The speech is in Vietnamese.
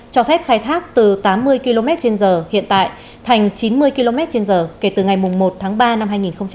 cho phép khai thác từ tám mươi km trên giờ hiện tại thành chín mươi km trên giờ kể từ ngày một tháng ba năm hai nghìn hai mươi